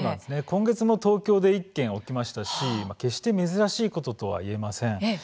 今月も東京で１件起きましたし決して珍しいこととは言えません。